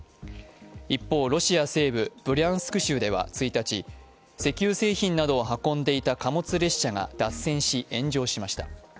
一方、ロシア西部ブリャンスク州では１日石油製品などを運んでいた貨物列車が脱線し、炎上しました。